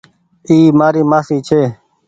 اي مآري مآسي ڇي۔